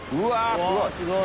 すごい。